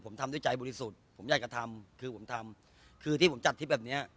ผมทำด้วยใจบริสุทธิ์ผมอยากจะทำคือผมทำคือที่ผมจัดทริปแบบเนี้ย